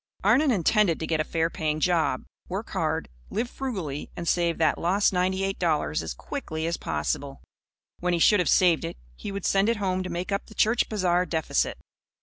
Arnon intended to get a fair paying job, work hard, live frugally and save that lost ninety eight dollars as quickly as possible. When he should have saved it, he would send it home to make up the church bazaar deficit.